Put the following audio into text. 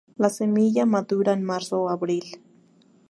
La semilla madura en marzo o abril.